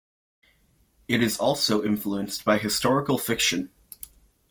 It is also influenced by historical fiction.